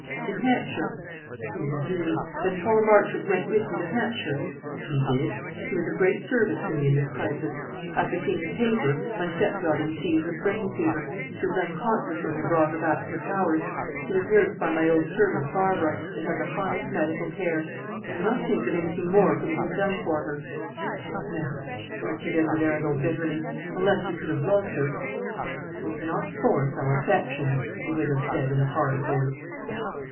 "In Hampshire." "Indeed! Then Paul Marchmont went with you to Hampshire?" "He did. He was of great service to me in this crisis. After seeing the paper, my stepdaughter was seized with brain fever. She was unconscious when we brought her back to the Towers. She was nursed by my old servant Barbara, and had the highest medical care. I do not think that anything more could have been done for her." "No," answered Edward Arundel, bitterly; "unless you could have loved her." "We cannot force our affections," the widow said, in a hard voice.